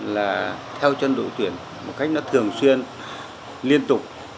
là theo chân đội tuyển một cách nó thường xuyên liên tục